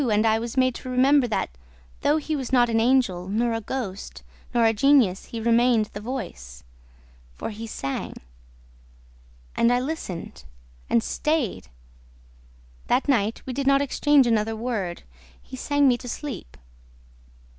and I was made to remember that, though he was not an angel, nor a ghost, nor a genius, he remained the voice ... for he sang. And I listened ... and stayed! ... That night, we did not exchange another word. He sang me to sleep.